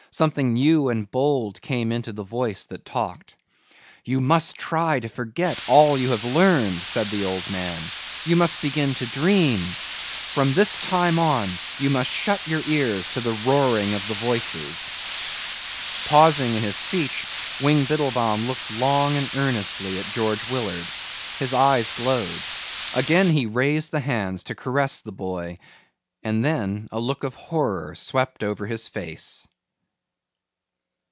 Something new and bold came into the voice that talked. "You must try to forget all you have learned," said the old man. "You must begin to dream. From this time on you must shut your ears to the roaring of the voices." Pausing in his speech, Wing Biddlebaum looked long and earnestly at George Willard. His eyes glowed. Again he raised the hands to caress the boy and then a look of horror swept over his face.